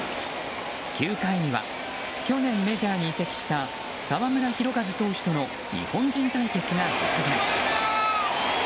９回には、去年メジャーに移籍した澤村拓一投手との日本人対決が実現。